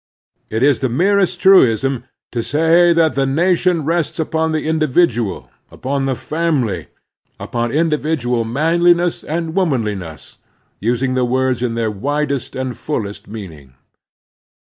It is the merest truism to say that the nation rests upon the indi vidual, upon the family — upon individual manli ness and womanliness, using the words in their widest and fullest meaning.